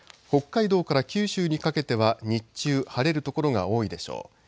北海道から九州にかけては日中晴れる所が多いでしょう。